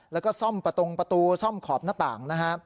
แล้วก็ซ่อมประตงประตูซ่อมขอบหน้าต่างนะฮะ